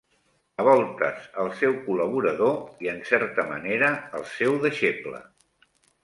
A voltes el seu col·laborador i en certa manera el seu deixeble